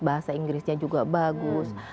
bahasa inggrisnya juga bagus